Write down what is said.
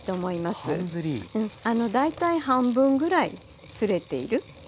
あの大体半分ぐらいすれている。